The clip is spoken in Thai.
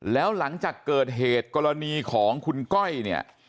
แล้วหลังจากเกิดเหตุกรณีของคุณก้อยเนี่ย